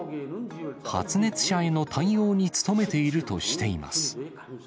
発熱者への対応に努めているとしています。